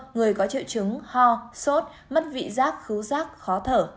người có triệu chứng ho sốt mất vị giác khứ rác khó thở